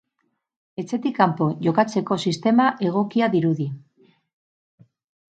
Etxetik kanpo jokatzeko sistema egokia dirudi.